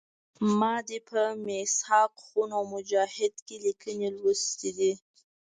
ما دې په میثاق خون او مجاهد کې لیکنې لوستي دي.